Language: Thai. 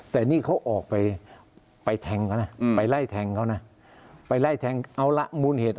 แต่นี่เขาออกไปไปไล่แทงเขานะไปไล่แทงเอาละมูลเหตุ